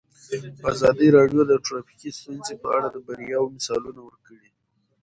ازادي راډیو د ټرافیکي ستونزې په اړه د بریاوو مثالونه ورکړي.